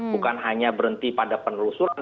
bukan hanya berhenti pada penelusuran